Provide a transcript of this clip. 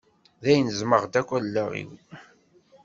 Dayen ẓmeɣ-d akk allaɣ-iw